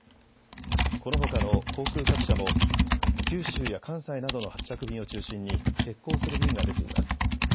このほかの航空各社も、九州や関西などの発着便を中心に欠航する便が出ています。